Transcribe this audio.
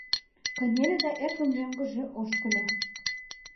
Кынеле да эркын мӧҥгыжӧ ошкыльо.